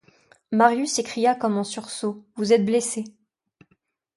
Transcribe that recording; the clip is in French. Marius s’écria comme en sursaut: — Vous êtes blessée!